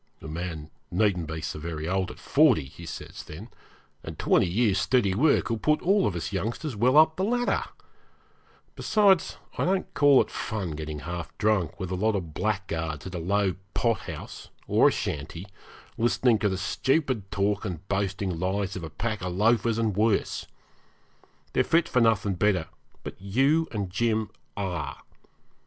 'A man needn't be so very old at forty,' he says then, 'and twenty years' steady work will put all of us youngsters well up the ladder. Besides, I don't call it fun getting half drunk with a lot of blackguards at a low pothouse or a shanty, listening to the stupid talk and boasting lies of a pack of loafers and worse. They're fit for nothing better; but you and Jim are.